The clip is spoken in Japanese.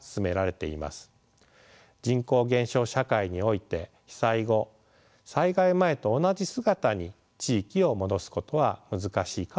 人口減少社会において被災後災害前と同じ姿に地域を戻すことは難しいかもしれません。